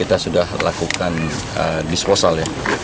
kita sudah lakukan disposal